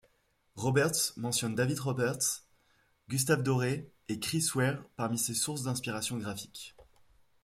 Roberts mentionne David Roberts, Gustave Doré et Chris Ware parmi ses sources d'inspiration graphique.